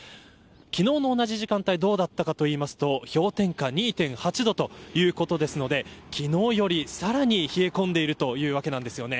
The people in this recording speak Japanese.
昨日の同じ時間帯どうだったかと言いますと氷点下２．８度ということですので昨日よりさらに冷え込んでいるというわけなんです。